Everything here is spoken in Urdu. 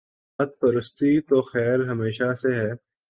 بت پرستی تو خیر ہمیشہ سے ہی